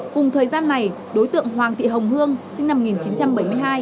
cùng thời gian này đối tượng hoàng thị hồng hương sinh năm một nghìn chín trăm bảy mươi hai